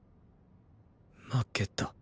負けた